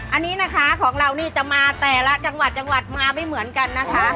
อันนี้นะคะของเรานี่จะมาแต่ละจังหวัดจังหวัดมาไม่เหมือนกันนะคะ